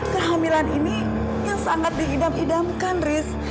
kehamilan ini yang sangat diidam idamkan riz